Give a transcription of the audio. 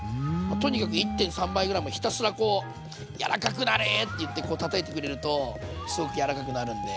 とにかく１．３倍ぐらいまでひたすらこう「やらかくなれ」って言ってこうたたいてくれるとすごく柔らかくなるんで。